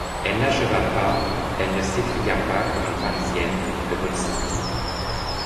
Elle n’acheva pas, elle ne s’écria pas comme une Parisienne: « Le polisson!